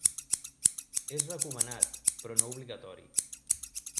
És recomanat, però no obligatori.